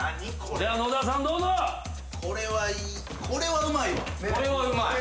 これはうまい。